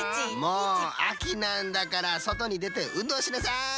もう秋なんだからそとにでてうんどうしなさい！